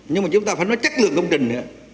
nhưng mà chúng ta phải nói chất lượng công trình